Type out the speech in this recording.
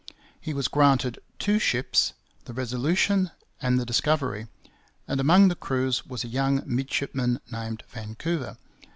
He was granted two ships the Resolution and the Discovery; and among the crews was a young midshipman named Vancouver.